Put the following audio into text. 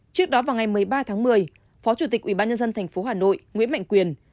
trước đó vào ngày một mươi ba tháng một mươi phó chủ tịch ủy ban nhân dân thành phố hà nội nguyễn mạnh quyền